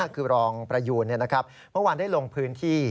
คือรองประยูนเมื่อวานได้ลงพื้นที่